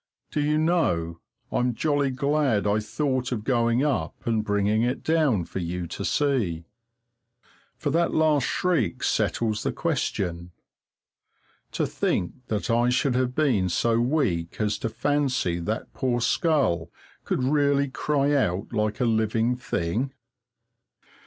Do you know, I'm jolly glad I thought of going up and bringing it down for you to see, for that last shriek settles the question. To think that I should have been so weak as to fancy that the poor skull could really cry out like a living thing!